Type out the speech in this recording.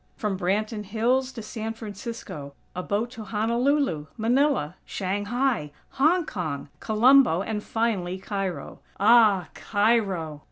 From Branton Hills to San Francisco; a boat to Honolulu, Manila, Shanghai, Hong Kong, Colombo, and finally Cairo. Ah! Cairo!!